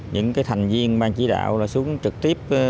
những thành viên ban chỉ đạo xuống trực tiếp